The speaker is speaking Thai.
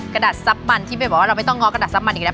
กระดาษซับมันที่ไปบอกว่าเราไม่ต้องง้อกระดาษซับมันอีกแล้ว